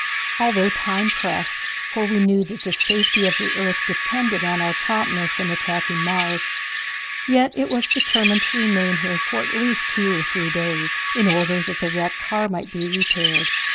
Although time pressed, for we knew that the safety of the earth depended upon our promptness in attacking Mars, yet it was determined to remain here at least two or three days in order that the wrecked car might be repaired.